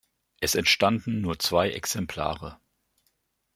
Es entstanden nur zwei Exemplare.